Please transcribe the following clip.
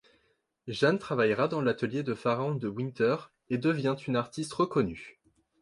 Jeanne travaillera dans l'atelier de Pharaon de Winter et devient une artiste reconnue.